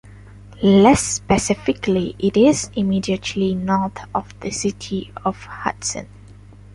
Less specifically, it is immediately north of the city of Hudson.